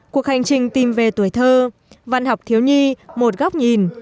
cuộc hành trình tìm về tuổi thơ văn học thiếu nhi một góc nhìn